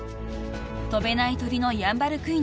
［飛べない鳥のヤンバルクイナ］